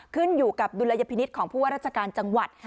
ขึ้นอยู่กับดุลยพินิษฐ์ของผู้ว่าราชการจังหวัด